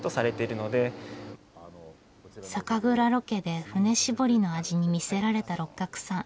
酒蔵ロケで槽搾りの味に魅せられた六角さん。